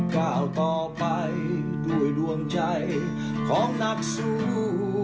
ก้าวต่อไปด้วยดวงใจของนักสู้